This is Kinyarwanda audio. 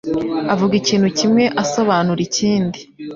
Avuga ikintu kimwe asobanura ikindi